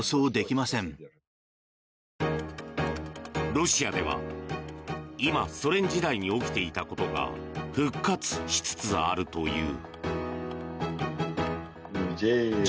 ロシアでは今ソ連時代に起きていたことが復活しつつあるという。